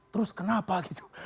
terus kenapa gitu